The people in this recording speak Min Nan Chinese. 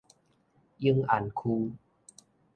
永安區